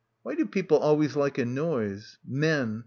Why do people alw'ays like a noise? Men.